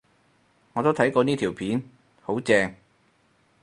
我都睇過呢條片，好正